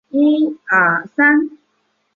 氯化铽可以形成无水物和六水合物。